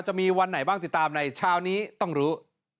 จะมีวันไหนบ้างติดตามในเช้านี้ต้องรู้